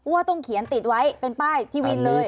ว่าต้องเขียนติดไว้เป็นป้ายที่วินเลย